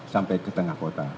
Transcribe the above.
sampai ke tengah kota